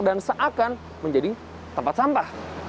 dan seakan menjadi tempat sampah